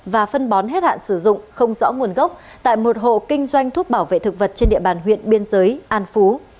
và phân bón hết hạn sử dụng không rõ nguồn gốc tại một hộ kinh doanh thuốc bảo vệ thực vật trên địa bàn huyện biên giới an phú